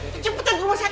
kamu lagi panik